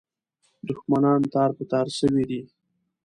دښمنان تار په تار سوي دي.